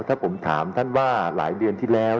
ถ้าผมถามท่านว่าหลายเดือนที่แล้ว